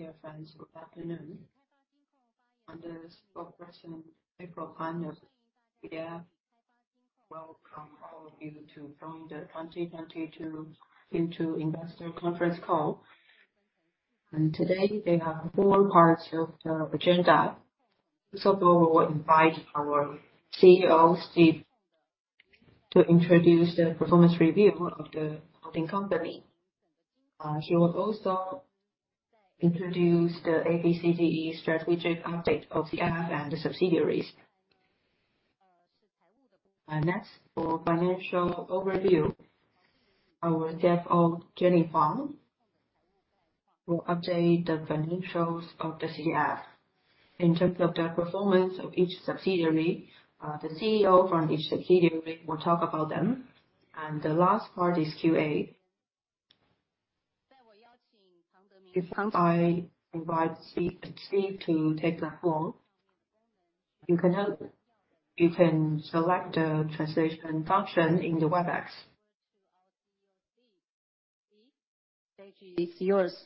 Dear friends, good afternoon. On this April 20th, we welcome all of you to join the 2022 Q2 investor conference call. Today we have 4 parts to the agenda. First of all, we will invite our CEO, Steve, to introduce the performance review of the holding company. He will also introduce the ABCD strategic update of the app and the subsidiaries. For financial overview, our CFO, Jenny Fang, will update the financials of the CDIB. In terms of the performance of each subsidiary, the CEO from each subsidiary will talk about them. The last part is Q&A. I invite Steve to take the floor. You can select the translation function in the Webex. Steve, the stage is yours.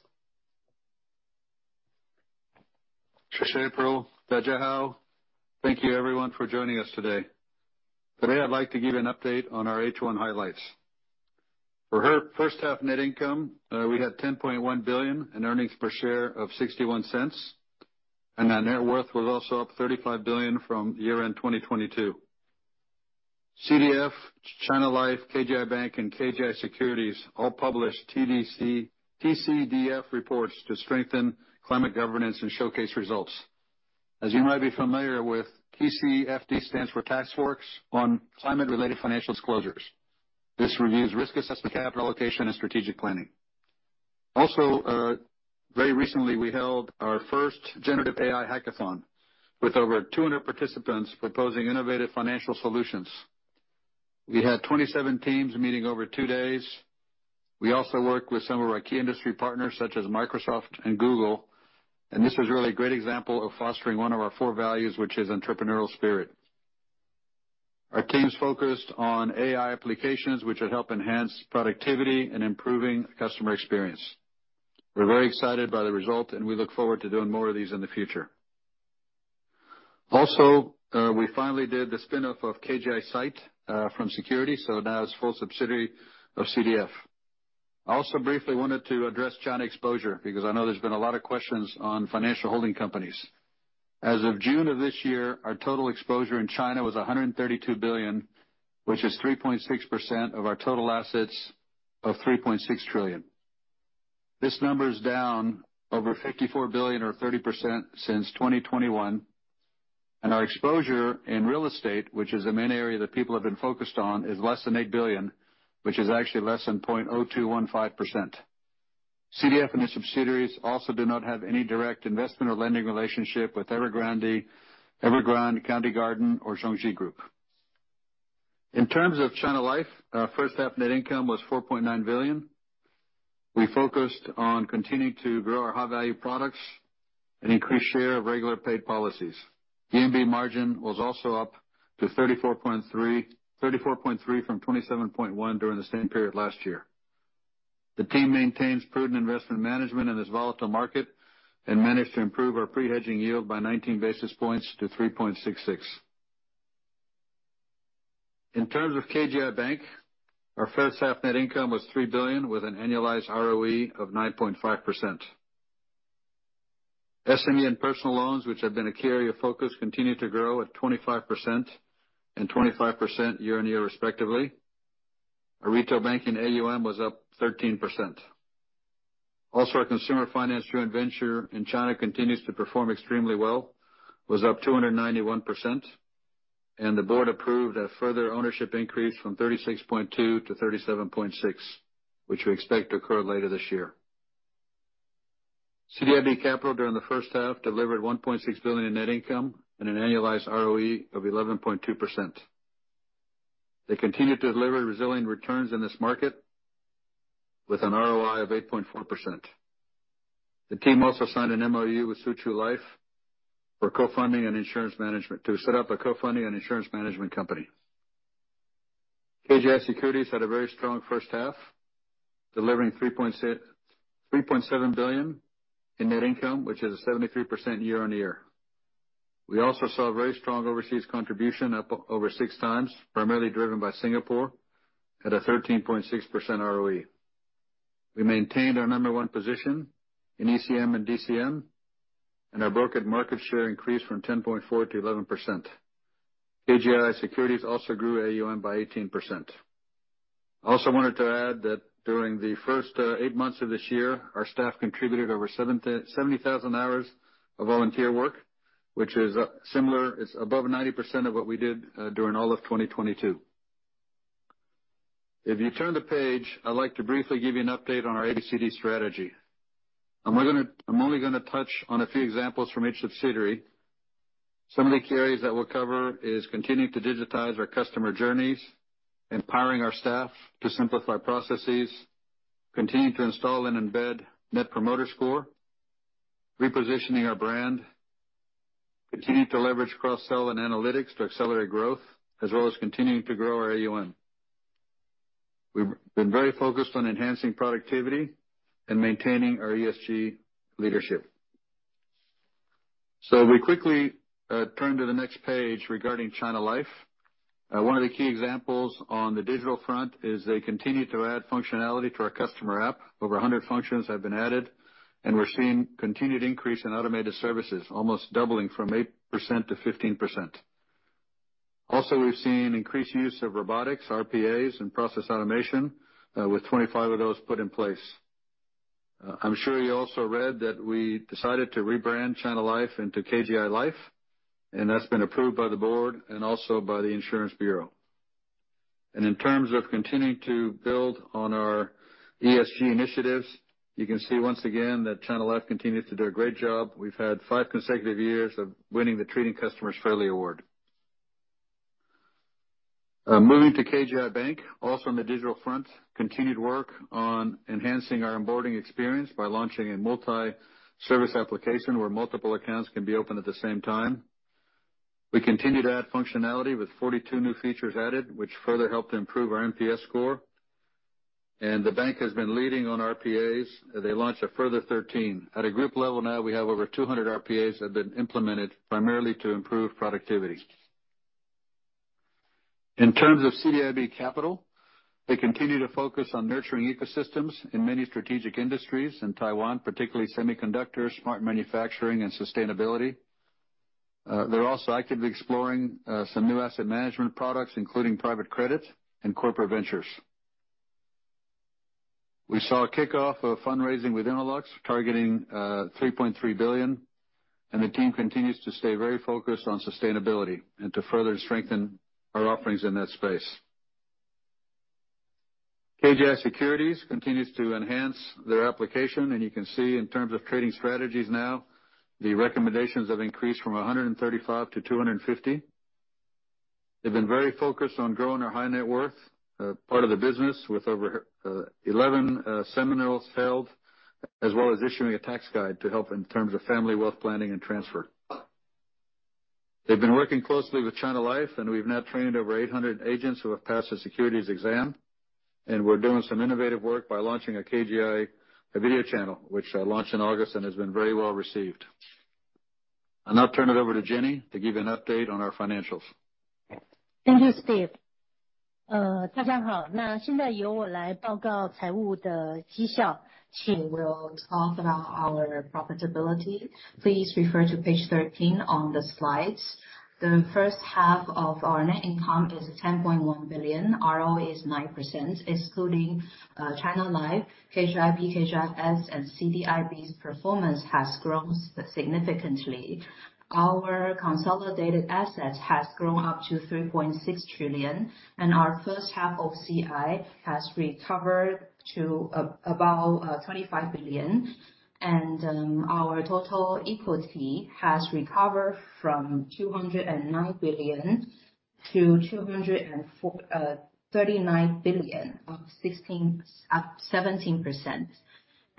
Thank you everyone for joining us today. Today I'd like to give you an update on our H1 highlights. For our first half net income, we had 10.1 billion in earnings per share of 0.61, and our net worth was also up 35 billion from year-end 2022. CDIB, China Life, KGI Bank, and KGI Securities all published TCFD reports to strengthen climate governance and showcase results. As you might be familiar with, TCFD stands for Task Force on Climate-related Financial Disclosures. This reviews risk assessment, capital allocation, and strategic planning. Very recently, we held our first generative AI hackathon with over 200 participants proposing innovative financial solutions. We had 27 teams meeting over 2 days. We also worked with some of our key industry partners, such as Microsoft and Google. This was really a great example of fostering one of our core values, which is entrepreneurial spirit. Our teams focused on AI applications, which would help enhance productivity and improving customer experience. We're very excited by the result, and we look forward to doing more of these in the future. We finally did the spin-off of KGI SITE from KGI Securities, so now it's a full subsidiary of CDIB. I also briefly wanted to address China exposure, because I know there's been a lot of questions on financial holding companies. As of June of this year, our total exposure in China was 132 billion, which is 3.6% of our total assets of 3.6 trillion. This number is down over 54 billion or 30% since 2021. Our exposure in real estate, which is the main area that people have been focused on, is less than 8 billion, which is actually less than 0.0215%. CDIB and its subsidiaries also do not have any direct investment or lending relationship with Evergrande, Country Garden, or Zhongzhi Group. In terms of China Life, our first half net income was 4.9 billion. We focused on continuing to grow our high-value products and increase share of regular paid policies. VNB margin was also up to 34.3% from 27.1% during the same period last year. The team maintains prudent investment management in this volatile market and managed to improve our pre-hedging yield by 19 basis points to 3.66%. In terms of KGI Bank, our first half net income was 3 billion with an annualized ROE of 9.5%. SME and personal loans, which have been a carrier focus, continued to grow at 25% and 25% year-on-year respectively. Our retail banking AUM was up 13%. Our consumer financial joint venture in China continues to perform extremely well. It was up 291%, and the Board approved a further ownership increase from 36.2% to 37.6%, which we expect to occur later this year. CDIB Capital during the first half delivered 1.6 billion in net income and an annualized ROE of 11.2%. They continued to deliver resilient returns in this market with an ROI of 8.4%. The team also signed an MOU with Soochow Life for co-funding and insurance management to set up a co-funding and insurance management company. KGI Securities had a very strong first half, delivering 3.7 billion in net income, which is a 73% year-on-year. We also saw very strong overseas contribution up over 6 times, primarily driven by Singapore at a 13.6% ROE. We maintained our number one position in ECM and DCM, and our brokered market share increased from 10.4% to 11%. KGI Securities also grew AUM by 18%. I also wanted to add that during the first 8 months of this year, our staff contributed over 70,000 hours of volunteer work, which is above 90% of what we did during all of 2022. If you turn the page, I would like to briefly give you an update on our ABCD strategy. I'm only going to touch on a few examples from each subsidiary. Some of the key areas that we'll cover is continuing to digitize our customer journeys, empowering our staff to simplify processes, continuing to install and embed Net Promoter Score, repositioning our brand, continuing to leverage cross-sell and analytics to accelerate growth, as well as continuing to grow our AUM. We've been very focused on enhancing productivity and maintaining our ESG leadership. We quickly turn to the next page regarding China Life. One of the key examples on the digital front is they continue to add functionality to our customer app. Over 100 functions have been added, and we're seeing continued increase in automated services, almost doubling from 8% to 15%. We have seen increased use of robotics, RPAs, and process automation, with 25 of those put in place. I'm sure you also read that we decided to rebrand China Life into KGI Life, and that's been approved by the Board and also by the Insurance Bureau. In terms of continuing to build on our ESG initiatives, you can see once again that China Life continues to do a great job. We've had five consecutive years of winning the Treating Customers Fairly Award. Moving to KGI Bank. Also on the digital front, continued work on enhancing our onboarding experience by launching a multi-service application where multiple accounts can be open at the same time. We continue to add functionality with 42 new features added, which further help to improve our NPS score. The bank has been leading on RPAs. They launched a further 13. At a group level now, we have over 200 RPAs that have been implemented primarily to improve productivity. In terms of CDIB Capital, they continue to focus on nurturing ecosystems in many strategic industries in Taiwan, particularly semiconductors, smart manufacturing, and sustainability. They are also actively exploring some new asset management products, including private credit and corporate ventures. We saw a kickoff of fundraising with Innolux, targeting 3.3 billion, and the team continues to stay very focused on sustainability and to further strengthen our offerings in that space. KGI Securities continues to enhance their application, and you can see in terms of trading strategies now, the recommendations have increased from 135 to 250. They have been very focused on growing our high net worth part of the business with over 11 seminars held, as well as issuing a tax guide to help in terms of family wealth planning and transfer. They have been working closely with China Life, and we have now trained over 800 agents who have passed the securities exam. We're doing some innovative work by launching a KGI video channel, which launched in August and has been very well received. I will now turn it over to Jenny to give you an update on our financials. Thank you, Steve. We will talk about our profitability. Please refer to page 13 on the slides. The first half of our net income is 10.1 billion. ROE is 9%, excluding China Life, KGIB, KGIS, and CDIB's performance has grown significantly. Our consolidated assets has grown up to 3.6 trillion, and our first half of CI has recovered to about 25 billion, and our total equity has recovered from 209 billion to 239 billion, up 17%.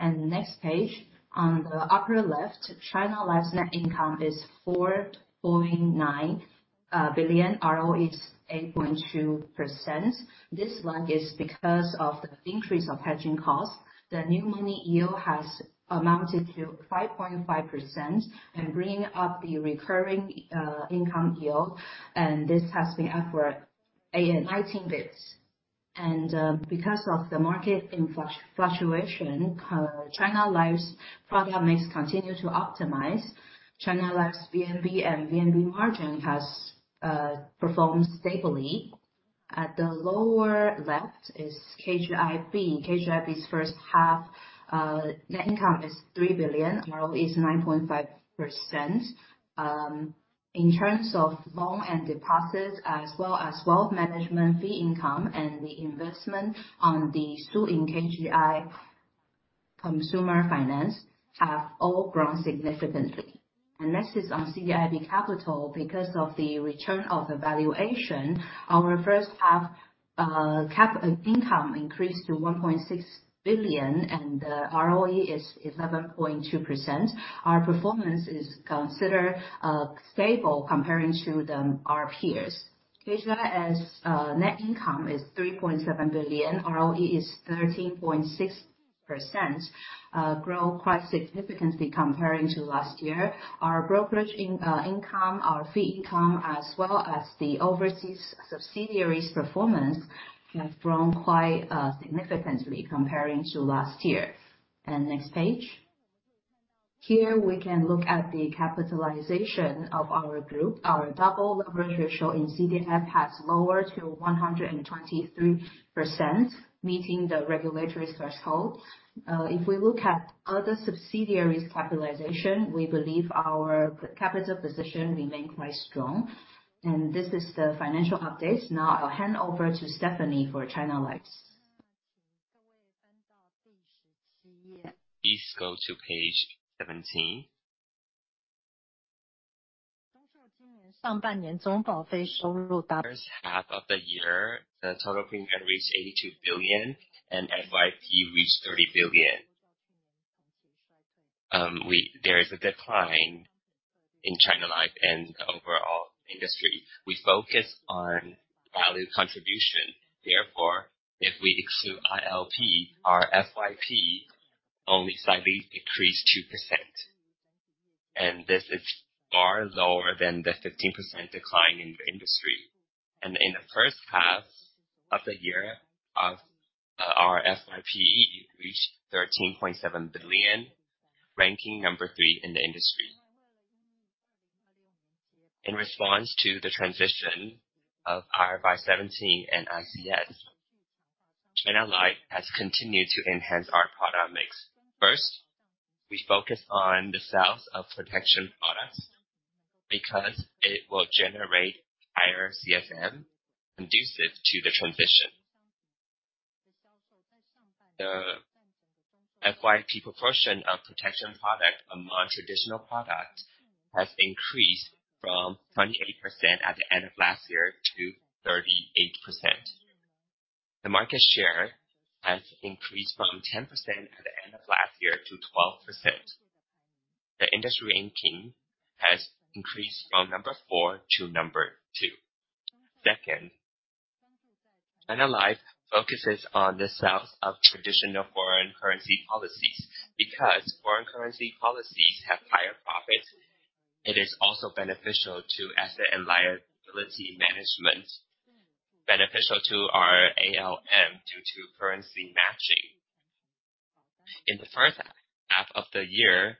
Next page. On the upper left, China Life's net income is 4.9 billion. ROE is 8.2%. This one is because of the increase of hedging costs. The new money yield has amounted to 5.5% and bringing up the recurring income yield. This has been up for 19 basis points. Because of the market fluctuation, China Life's product mix continue to optimize. China Life's VNB and VNB margin has performed stably. At the lower left is KGIB. KGIB's first half net income is 3 billion. ROE is 9.5%. In terms of loan and deposits, as well as wealth management fee income, and the investment on the Suyin KGI Consumer Finance have all grown significantly. Next is on CDIB Capital. Because of the return of evaluation, our first half CAP income increased to 1.6 billion and ROE is 11.2%. Our performance is considered stable comparing to our peers. KGIS net income is 3.7 billion, ROE is 13.6%, grow quite significantly comparing to last year. Our brokerage income, our fee income, as well as the overseas subsidiaries performance have grown quite significantly comparing to last year. Next page. Here we can look at the capitalization of our group. Our double leverage ratio in CDIB has lowered to 123%, meeting the regulatory threshold. If we look at other subsidiaries' capitalization, we believe our capital position remains quite strong. This is the financial update. Now, I'll hand over to Stephanie for China Life. Please go to page 17. First half of the year, the total premium reached 82 billion and FYP reached 30 billion. There is a decline in China Life and the overall industry. We focus on value contribution. Therefore, if we exclude ILP, our FYP only slightly decreased 2%. This is far lower than the 15% decline in the industry. In the first half of the year, our FYPE reached 13.7 billion, ranking number three in the industry. In response to the transition of our 517 and ICS, China Life has continued to enhance our product mix. First, we focus on the sales of protection products because it will generate higher CSM conducive to the transition. The FYP proportion of protection products among traditional products has increased from 28% at the end of last year to 38%. The market share has increased from 10% at the end of last year to 12%. The industry ranking has increased from number four to number two. Second, China Life focuses on the sales of traditional foreign currency policies. Because foreign currency policies have higher profits, it is also beneficial to asset and liability management, beneficial to our ALM due to currency matching. In the first half of the year,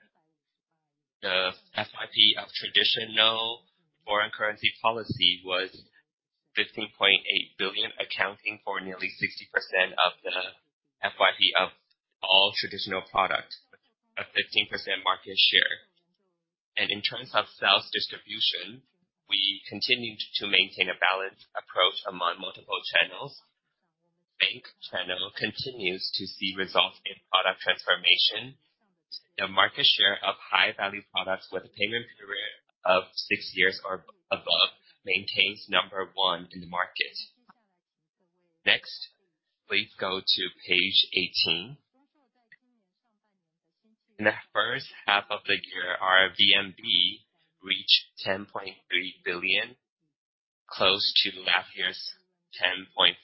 the FYP of traditional foreign currency policy was 15.8 billion, accounting for nearly 60% of the FYP of all traditional products, a 15% market share. In terms of sales distribution, we continued to maintain a balanced approach among multiple channels. Bank channel continues to see results in product transformation. The market share of high-value products with a payment period of six years or above maintains number one in the market. Next, please go to page 18. In the first half of the year, our VNB reached 10.3 billion, close to last year's 10.5 billion.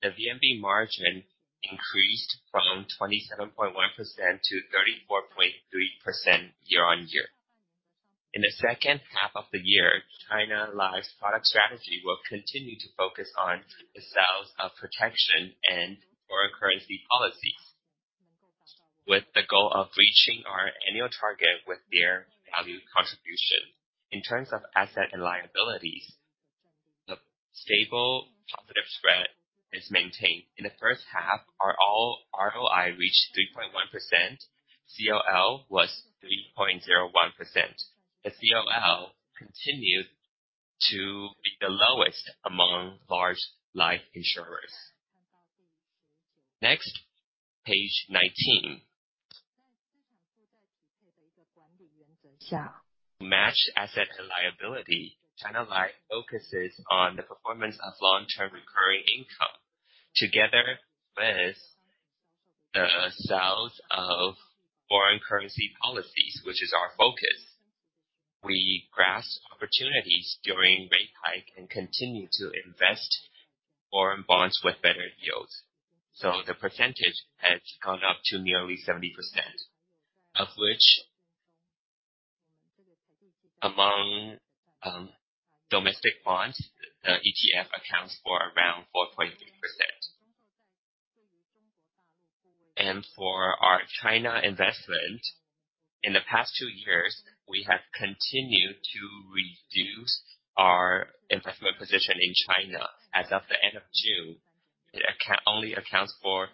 The VNB margin increased from 27.1% to 34.3% year-on-year. In the second half of the year, China Life's product strategy will continue to focus on the sales of protection and foreign currency policies, with the goal of reaching our annual target with their value contribution. In terms of asset and liabilities, the stable positive spread is maintained. In the first half, our ROI reached 3.1%. COL was 3.01%. The COL continued to be the lowest among large life insurers. Next, page 19. To match asset and liability, China Life focuses on the performance of long-term recurring income. Together with the sales of foreign currency policies, which is our focus, we grasp opportunities during rate hikes and continue to invest foreign bonds with better yields. The percentage has gone up to nearly 70%, of which among domestic bonds, the ETF accounts for around 4.3%. For our China investment, in the past two years, we have continued to reduce our investment position in China. As of the end of June, it only accounts for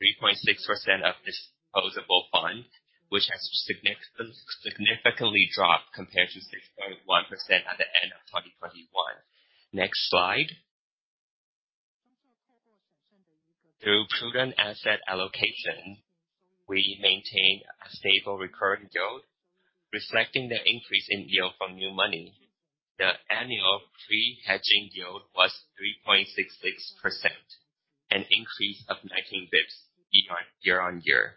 3.6% of disposable fund, which has significantly dropped compared to 6.1% at the end of 2021. Next slide. Through prudent asset allocation, we maintain a stable recurring yield, reflecting the increase in yield from new money. The annual free hedging yield was 3.66%, an increase of 19 basis points year-over-year.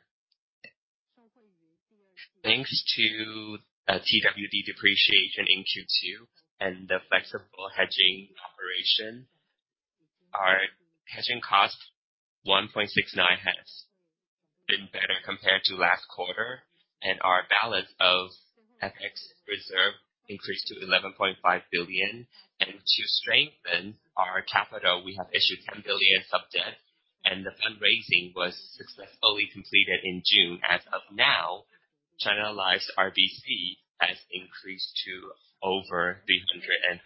Thanks to the TWD depreciation in Q2 and the flexible hedging operation, our hedging cost, 1.69%, has been better compared to last quarter, and our balance of FX reserve increased to 11.5 billion. To strengthen our capital, we have issued 10 billion sub-debt, and the fundraising was successfully completed in June. As of now, China Life's RBC has increased to over 330%.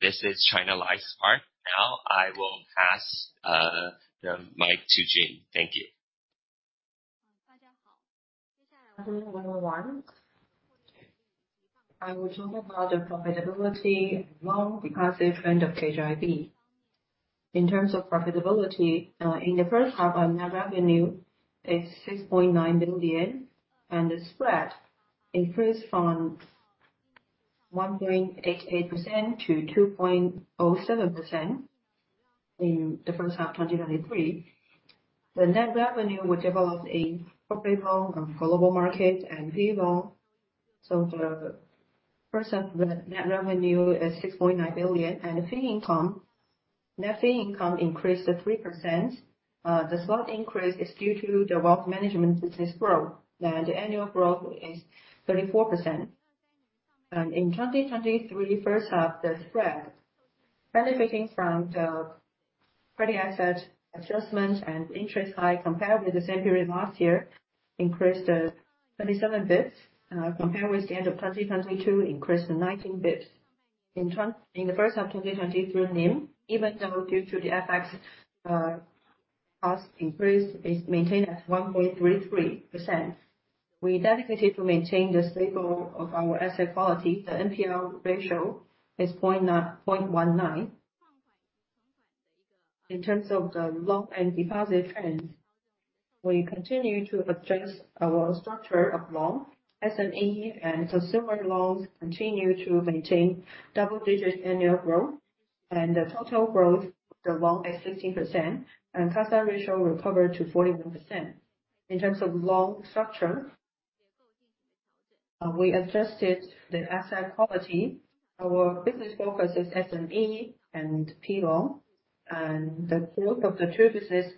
This is China Life's part. Now I will pass the mic to Jean. Thank you. Hello, everyone. I will talk about the profitability and long deposit trend of KGI. In terms of profitability, in the first half, our net revenue is 6.9 billion, and the spread increased from 1.88% to 2.07% in the first half of 2023. The net revenue, which evolved in corporate loans and global markets and P loan. The first half of net revenue is 6.9 billion and the fee income, net fee income increased to 3%. The slight increase is due to the wealth management business growth, and the annual growth is 34%. In 2023 first half, the spread benefiting from the credit asset adjustment and interest high compared with the same period last year increased to 27 basis points. Compared with the end of 2022 increased to 19 basis points. In the first half 2023 NIM, even though due to the FX cost increase, is maintained at 1.33%. We dedicated to maintain the stable of our asset quality. The NPL ratio is 0.19%. In terms of the loan and deposit trends, we continue to adjust our structure of loan. SME and consumer loans continue to maintain double-digits annual growth, and the total growth of the loan is 16%, and CASA ratio recovered to 41%. In terms of loan structure, we adjusted the asset quality. Our business focus is SME and P loan. The growth of the two business,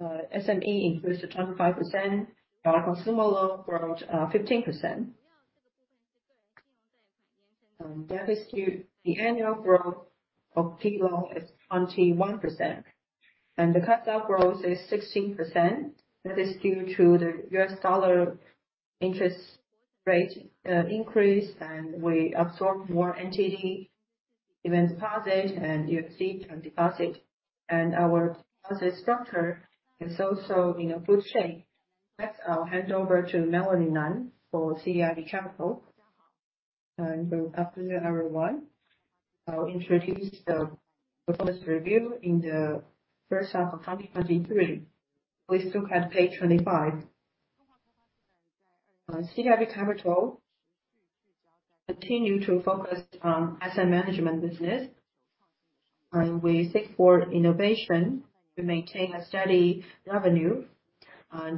SME increased to 25%, while consumer loan growth, 15%. The annual growth of P loan is 21% and the CASA growth is 16%. That is due to the U.S. dollar interest rate increase, and we absorb more NTD deposit and USD term deposit. Our deposit structure is also in a good shape. Next, I'll hand over to Melanie Nan for CDIB Capital. Good afternoon, everyone. I'll introduce the performance review in the first half of 2023. Please look at page 25. CDIB Capital continue to focus on asset management business. We seek for innovation to maintain a steady revenue.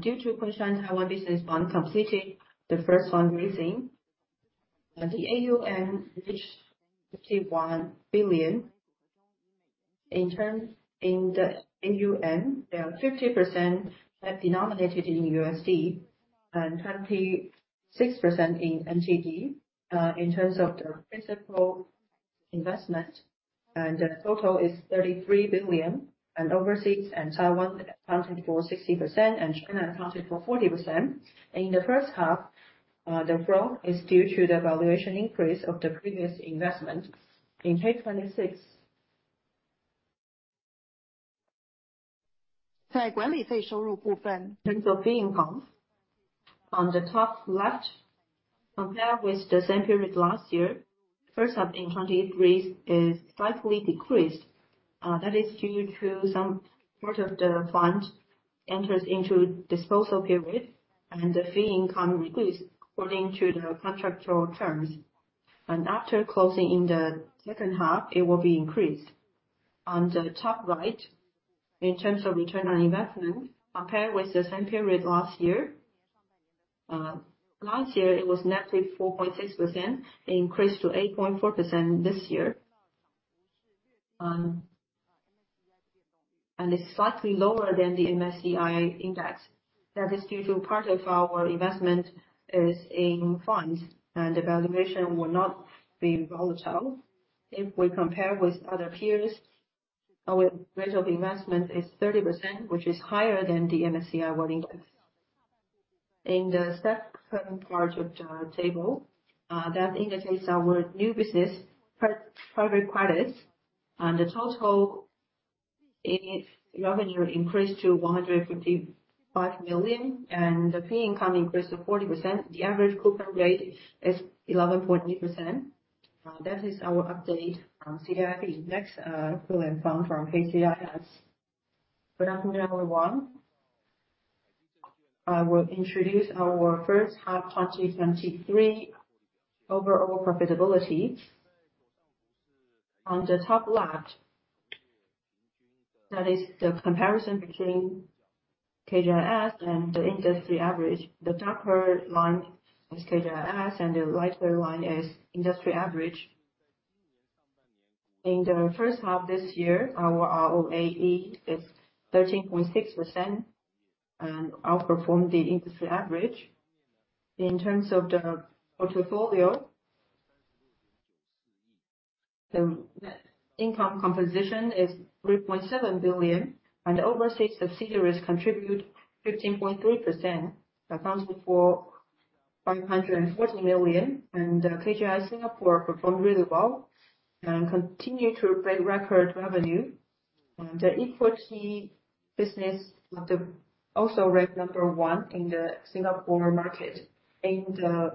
Due to KGI Taiwan Business Bond completing the first fundraising, the AUM reached 51 billion. In the AUM, 50% have denominated in USD and 26% in NTD. In terms of the principal investment, the total is 33 billion. Overseas and Taiwan accounted for 60%, and China accounted for 40%. In the first half, the growth is due to the valuation increase of the previous investment. In page 26. In terms of fee income, on the top left, compared with the same period last year, first half in 2023 is slightly decreased. That is due to some part of the fund enters into disposal period and the fee income decreased according to the contractual terms. After closing in the second half it will be increased. On the top right, in terms of return on investment, compared with the same period last year. Last year it was negatively 4.6%, increased to 8.4% this year. It is slightly lower than the MSCI index. That is due to part of our investment is in funds and the valuation will not be volatile. If we compare with other peers, our rate of investment is 30%, which is higher than the MSCI World Index. In the second part of the table, that indicates our new business, private credits. The total revenue increased to 155 million, and the fee income increased to 40%. The average coupon rate is 11.8%. That is our update on CDIB Index pool and fund from KGIS. Good afternoon, everyone. I will introduce our first half 2023 overall profitability. On the top left. That is the comparison between KGIS and the industry average. The darker line is KGIS and the lighter line is industry average. In the first half of this year, our ROAE is 13.6% and outperformed the industry average. In terms of the portfolio, the net income composition is 3.7 billion and overseas subsidiaries contribute 15.3%. Accounts for 540 million. KGI Singapore performed really well and continue to break record revenue. The equity business also ranked number one in the Singapore market. In the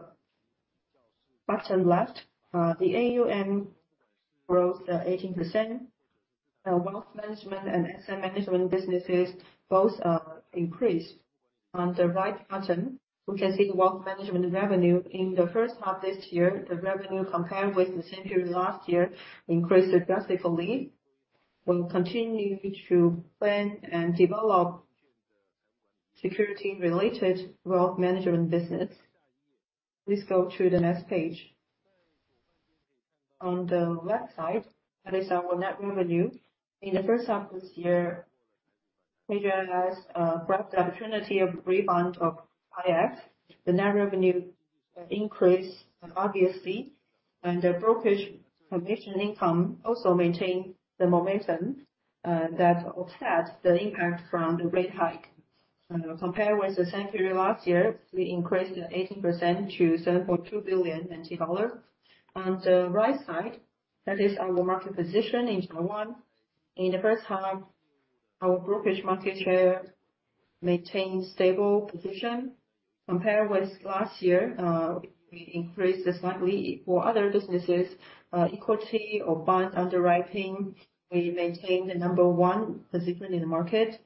bottom left, the AUM growth 18%. Wealth management and asset management businesses both increased. On the right bottom, we can see wealth management revenue in the first half this year, the revenue compared with the same period last year increased drastically. We will continue to plan and develop security-related wealth management business. Please go to the next page. On the left side, that is our net revenue. In the first half of this year, KGI has grabbed the opportunity of rebound of index. The net revenue increased obviously, the brokerage commission income also maintained the momentum that offsets the impact from the rate hike. Compared with the same period last year, we increased 18% to 7.2 billion. On the right side, that is our market position in Taiwan. In the first half, our brokerage market share maintained stable position. Compared with last year, we increased slightly. For other businesses, equity or bond underwriting, we maintained the number one position in the market.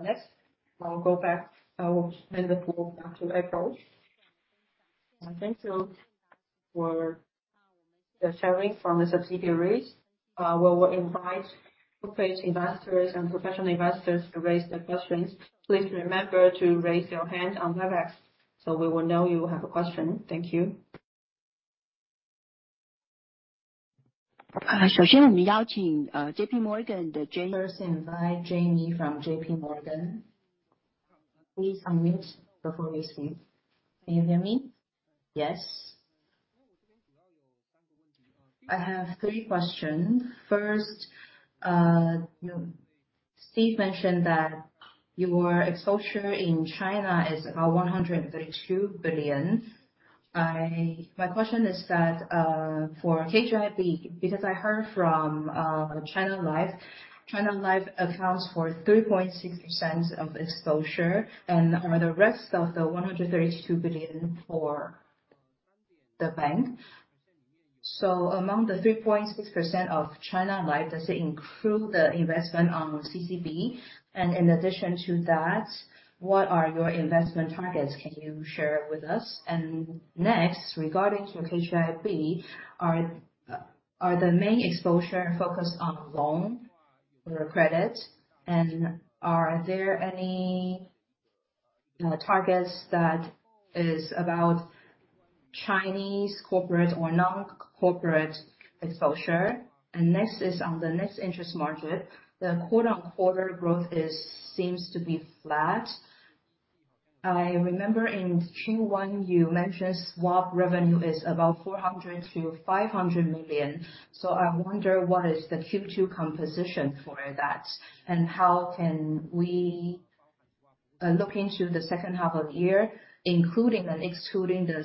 Next, I will hand the floor back to April. Thank you for the sharing from the subsidiaries. We will invite corporate investors and professional investors to raise their questions. Please remember to raise your hand on WebEx, so we will know you have a question. Thank you. First, we invite Jamie from JPMorgan. Please unmute before we speak. Can you hear me? Yes. I have three questions. First, Steve mentioned that your exposure in China is about 132 billion. My question is that for KGI Bank, because I heard from China Life, China Life accounts for 3.6% of exposure and the rest of the 132 billion for the bank. Among the 3.6% of China Life, does it include the investment on CCB? In addition to that, what are your investment targets? Can you share with us? Next, regarding to KGI Bank, are the main exposure focused on loan or credit? Are there any targets that is about Chinese corporate or non-corporate exposure? Next is on the net interest margin. The quarter-on-quarter growth seems to be flat. I remember in Q1 you mentioned swap revenue is about 400 million to 500 million. I wonder what is the Q2 composition for that, and how can we look into the second half of the year, including and excluding the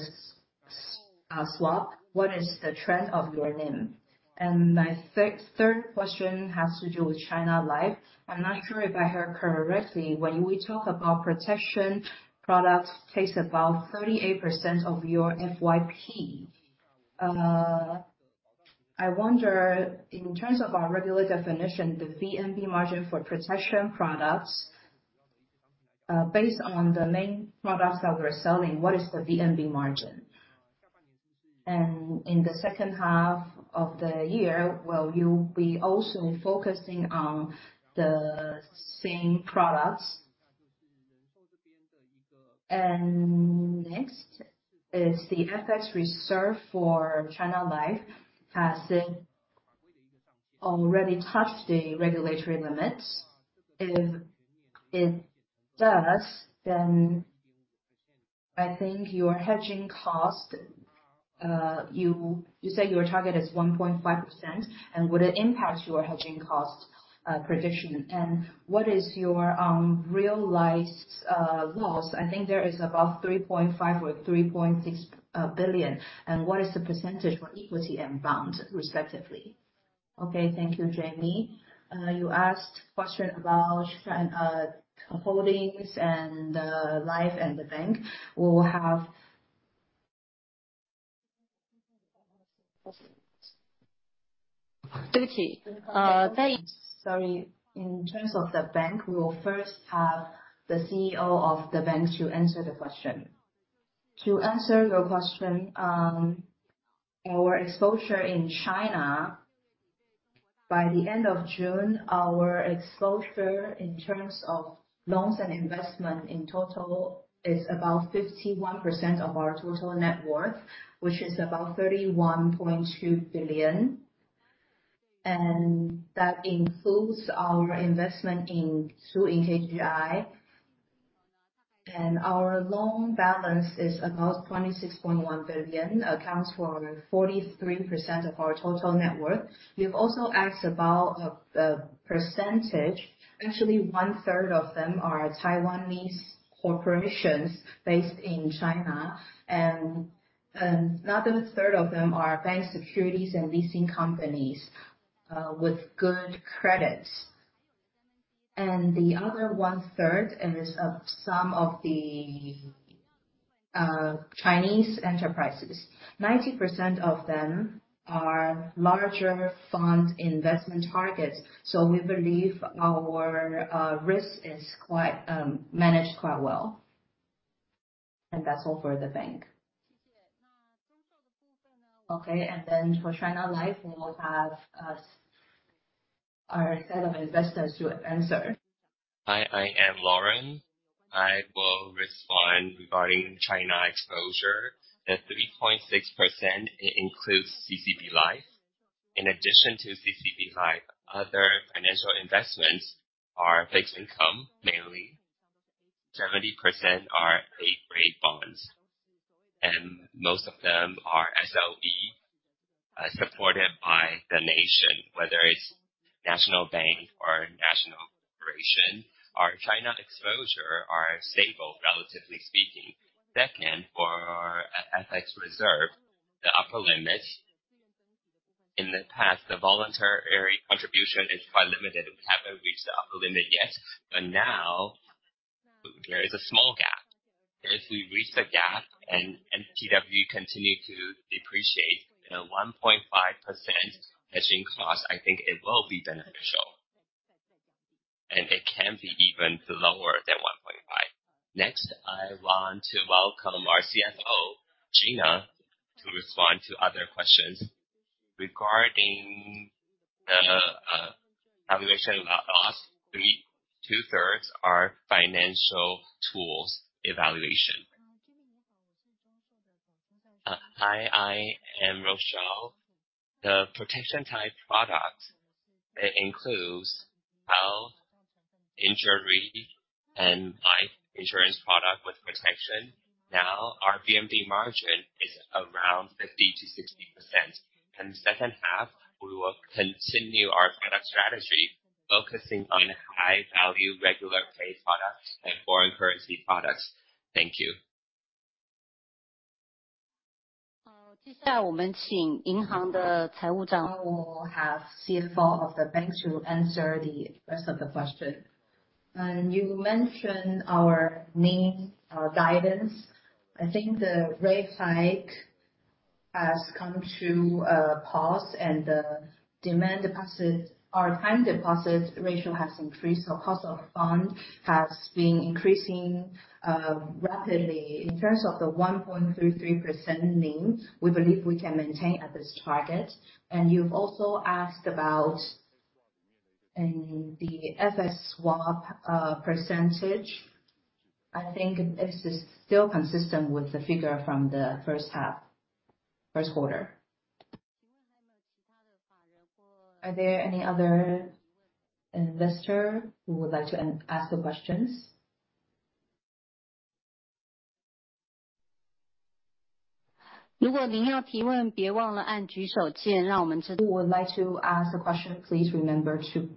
swap. What is the trend of your NIM? My third question has to do with China Life. I'm not sure if I heard correctly. When we talk about protection products takes about 38% of your FYP. I wonder in terms of our regular definition, the VNB margin for protection products, based on the main products that we're selling, what is the VNB margin? In the second half of the year, will you be also focusing on the same products? Next is the FX reserve for China Life. Has it already touched the regulatory limits? If it does, then I think your hedging cost, you said your target is 1.5%, and would it impact your hedging cost prediction? What is your realized loss? I think there is about 3.5 billion or 3.6 billion. What is the percentage for equity and bond, respectively? Okay. Thank you, Jamie. You asked question about holdings and KGI Life and KGI Bank. We will have Sorry. In terms of KGI Bank, we will first have the CEO of KGI Bank to answer the question. To answer your question, our exposure in China, by the end of June, our exposure in terms of loans and investment in total is about 51% of our total net worth, which is about 31.2 billion. That includes our investment through in KGI. Our loan balance is about 26.1 billion, accounts for 43% of our total net worth. You've also asked about the percentage. Actually, one-third of them are Taiwanese corporations based in China. Another third of them are KGI Bank securities and leasing companies with good credit. The other one-third is of some of the Chinese enterprises. 90% of them are larger fund investment targets, so we believe our risk is managed quite well. That's all for KGI Bank. Okay, then for China Life, we will have our Head of Investors to answer. Hi, I am Lauren. I will respond regarding China exposure. The 3.6% includes CCB Life. In addition to CCB Life, other financial investments are fixed income, mainly 70% are A-grade bonds, and most of them are SOE, supported by the nation, whether it's national bank or national corporation. Our China exposure are stable, relatively speaking. Second, for our FX reserve, the upper limit. In the past, the voluntary contribution is quite limited. We haven't reached the upper limit yet, but now there is a small gap. If we reach the gap, NTD continue to depreciate at a 1.5% hedging cost, I think it will be beneficial, and it can be even lower than 1.5. Next, I want to welcome our CFO, Gina, to respond to other questions. Regarding the population loss rate, two-thirds are financial tools evaluation. Hi, I am Rochelle. The protection type product includes health, injury, and life insurance product with protection. Now our BMD margin is around 50%-60%. In the second half, we will continue our product strategy focusing on high-value regular pay products and foreign currency products. Thank you. Now we will have CFO of the bank to answer the rest of the question. You mentioned our NIM guidance. I think the rate hike has come to a pause and the demand deposit or time deposit ratio has increased, cost of fund has been increasing rapidly. In terms of the 1.33% NIM, we believe we can maintain at this target. You've also asked about the FX swap percentage. I think it is still consistent with the figure from the first half, first quarter. Are there any other investor who would like to ask the questions? Who would like to ask the question, please remember to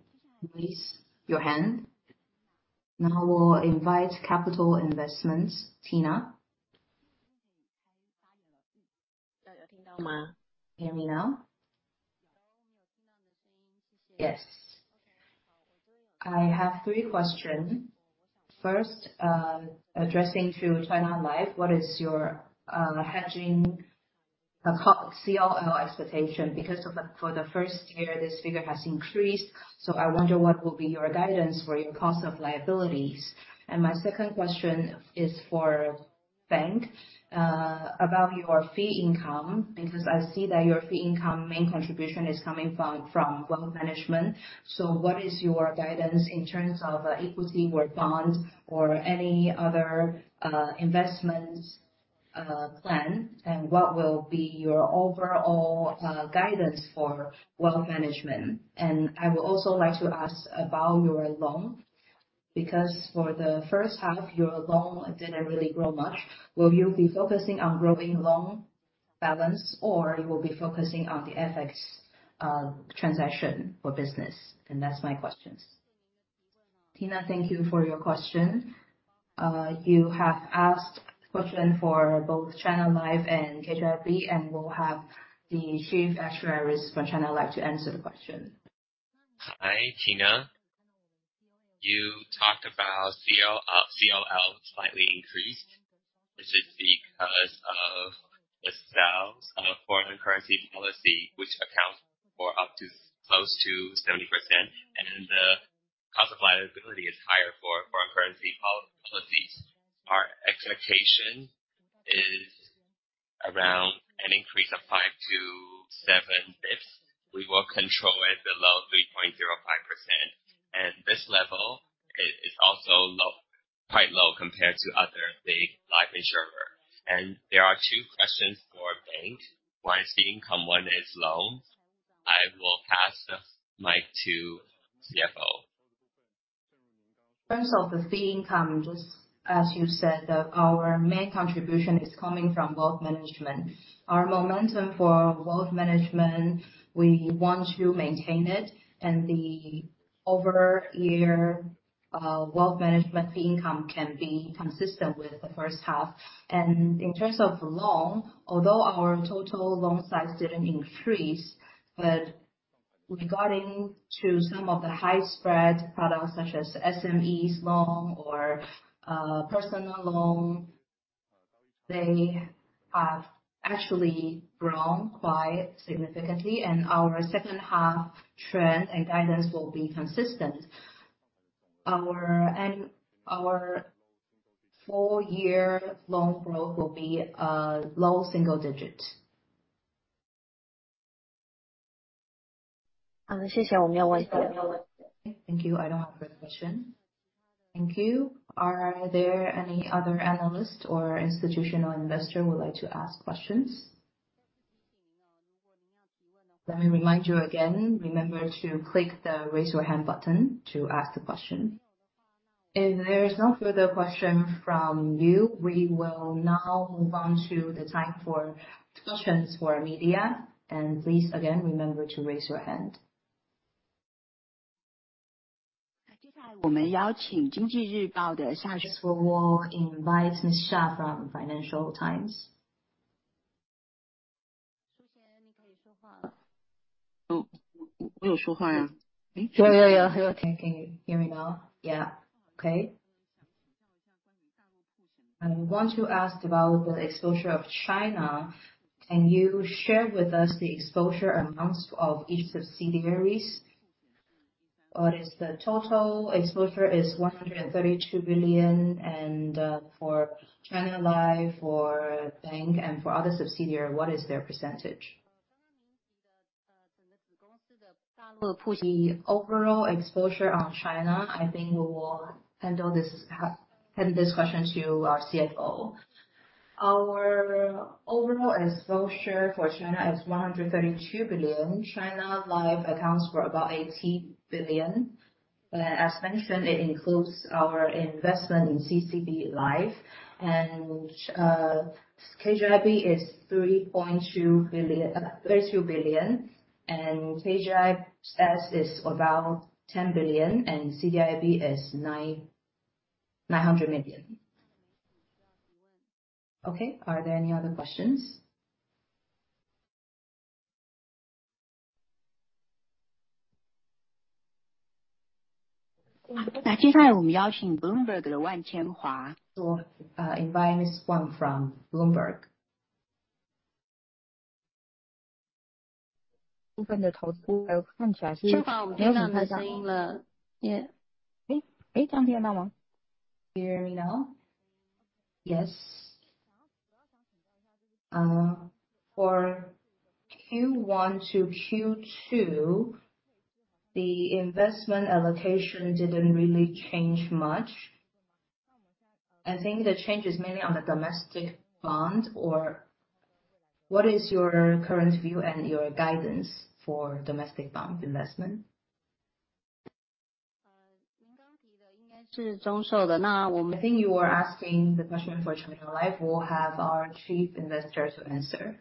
raise your hand. Now I will invite Capital Investments, Tina. Can you hear me now? Yes. I have three questions. First, addressing to China Life, what is your hedging COL expectation? For the first year, this figure has increased, I wonder what will be your guidance for your cost of liabilities. My second question is for bank, about your fee income, because I see that your fee income main contribution is coming from wealth management. What is your guidance in terms of equity or bond or any other investments plan, and what will be your overall guidance for wealth management? I would also like to ask about your loan, because for the first half, your loan didn't really grow much. Will you be focusing on growing loan balance, or you will be focusing on the FX transaction for business? That's my questions. Tina, thank you for your question. You have asked question for both China Life and KGI, and we'll have the Chief Actuary response from China Life to answer the question. Hi, Tina. You talked about COL slightly increased, which is because of the sales of foreign currency policy, which account for up to close to 70%, and the cost of liability is higher for foreign currency policies. Our expectation is around an increase of five to seven basis points. We will control it below 3.05%. This level is also quite low compared to other big life insurer. There are two questions for bank. One is fee income, one is loan. I will pass the mic to CFO. In terms of the fee income, just as you said, our main contribution is coming from wealth management. Our momentum for wealth management, we want to maintain it and year. Our wealth management fee income can be consistent with the first half. In terms of loan, although our total loan size did not increase, but regarding to some of the high spread products such as SME loan or personal loan, they have actually grown quite significantly and our second half trend and guidance will be consistent. Our full year loan growth will be low single digits. Thank you. I do not have further question. Thank you. Are there any other analysts or institutional investors who would like to ask questions? Let me remind you again, remember to click the Raise Your Hand button to ask the question. If there is no further question from you, we will now move on to the time for questions for media. Please again, remember to raise your hand. Next, we'll invite Ms. Sha from Financial Times. Can you hear me now? Yeah. Okay. I want to ask about the exposure of China. Can you share with us the exposure amounts of each subsidiaries? What is the total exposure? Is it 132 billion and for China Life, for KGI Bank, and for other subsidiaries, what is their percentage? The overall exposure on China, I think we will hand this question to our CFO. Our overall exposure for China is 132 billion. China Life accounts for about 80 billion. As mentioned, it includes our investment in CCB Life. KGI is 32 billion, and KGI Asset is about 10 billion, and CDIB is 900 million. Okay. Are there any other questions? Invite Ms. Wang from Bloomberg. Hear me now? Yes. For Q1 to Q2, the investment allocation didn't really change much. I think the change is mainly on the domestic bond or what is your current view and your guidance for domestic bond investment? I think you are asking the question for China Life. We'll have our Chief Investor to answer.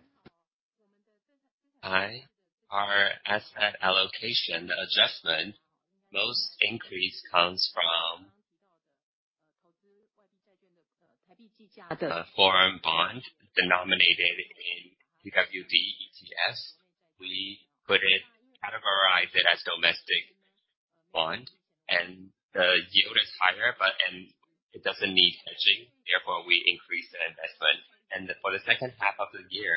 Hi. Our asset allocation adjustment, most increase comes from foreign bond denominated in USD ETFs. We put it, categorize it as domestic bond, and the yield is higher, and it doesn't need hedging. Therefore, we increase the investment. For the second half of the year,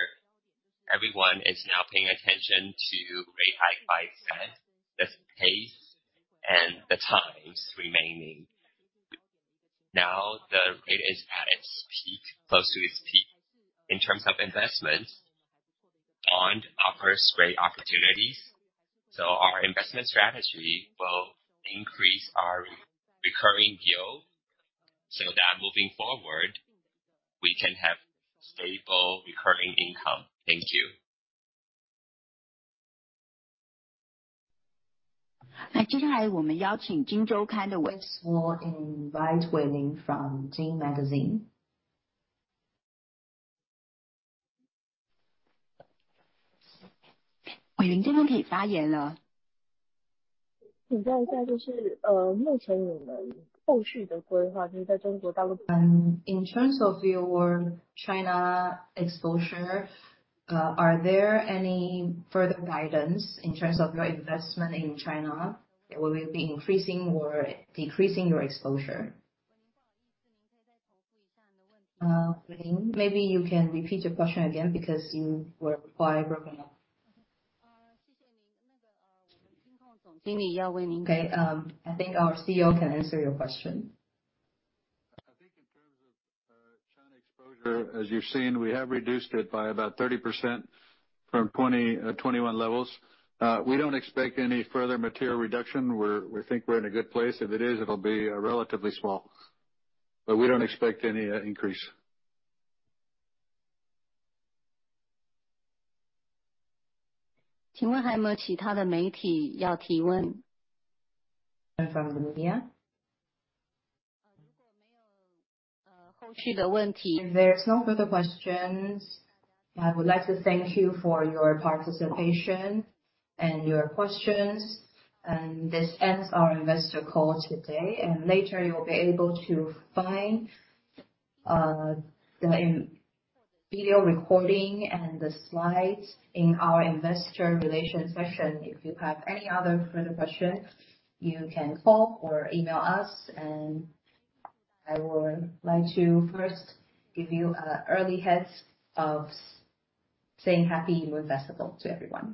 everyone is now paying attention to rate hike by Fed, this pace, and the times remaining. Now, the rate is at its peak, close to its peak. In terms of investments, bond offers great opportunities, Our investment strategy will increase our recurring yield, so that moving forward, we can have stable recurring income. Thank you. Next, we'll invite Wei Ling from Gene Magazine. In terms of your China exposure, are there any further guidance in terms of your investment in China? Will you be increasing or decreasing your exposure? Maybe you can repeat your question again because you were quite broken up. Okay. I think our CEO can answer your question. I think in terms of China exposure, as you've seen, we have reduced it by about 30% from 21 levels. We don't expect any further material reduction. We think we're in a good place. If it is, it'll be relatively small. We don't expect any increase. From the media. If there's no further questions, I would like to thank you for your participation and your questions, and this ends our investor call today. Later, you'll be able to find the video recording and the slides in our investor relation section. If you have any other further question, you can call or email us. I would like to first give you an early heads of saying Happy Moon Festival to everyone.